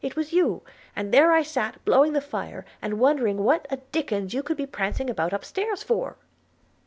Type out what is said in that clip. it was you; and there sat I blowing the fire, and wondering what a dickens you could be prancing about up stairs for.'